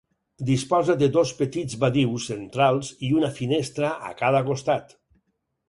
Disposa de dos petits badius centrals i una finestra a cada costat.